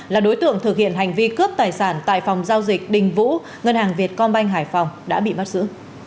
là đối tượng thực hiện hành vi cướp tài sản tại phòng giao dịch đình vũ ngân hàng việt công banh hải phòng đã bị bắt giữ